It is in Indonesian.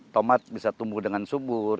tomat bisa tumbuh dengan subur